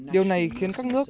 điều này khiến các nước